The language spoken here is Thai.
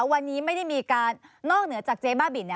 วันนี้ไม่ได้มีการนอกเหนือจากเจ๊บ้าบิน